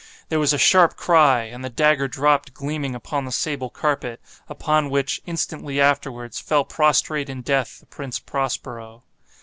There was a sharp cry—and the dagger dropped gleaming upon the sable carpet, upon which, instantly afterwards, fell prostrate in death the Prince Prospero.